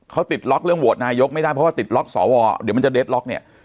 เขาติดล็อกเรื่องโหวตนายกไม่ได้เพราะว่าติดล็อกสวเดี๋ยวมันจะเดทล็อกเนี่ย